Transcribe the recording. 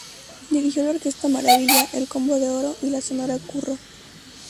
Dirigió la Orquesta Maravilla, El Combo de Oro y la Sonora Curro.